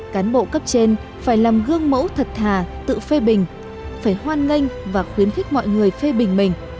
cán bộ cấp trên phải làm gương mẫu thật thà tự phê bình phải hoan nghênh và khuyến khích mọi người phê bình mình